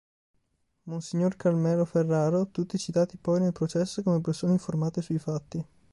Mons. Carmelo Ferraro, tutti citati poi nel processo come persone informate sui fatti.